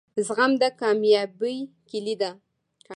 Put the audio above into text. زغم دکامیابۍ کیلي ده